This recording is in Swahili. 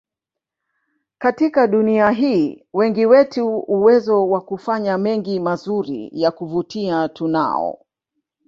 Katika dunia hii wengi wetu uwezo wa kufanya mengi mazuri ya kuvutia tunao